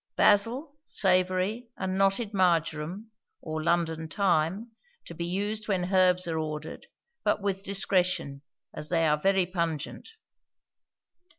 Basil, savory, and knotted marjoram, or London thyme, to be used when herbs are ordered; but with discretion, as they are very pungent.